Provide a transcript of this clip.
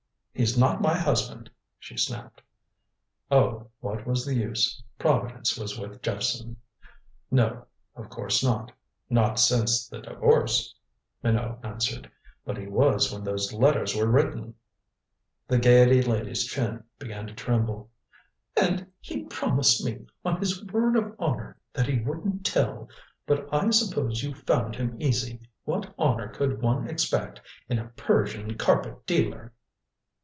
"He's not my husband," she snapped. Oh, what was the use? Providence was with Jephson. "No, of course not not since the divorce," Minot answered. "But he was when those letters were written." The Gaiety lady's chin began to tremble. "And he promised me, on his word of honor, that he wouldn't tell. But I suppose you found him easy. What honor could one expect in a Persian carpet dealer?"